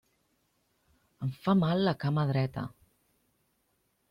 Em fa mal la cama dreta!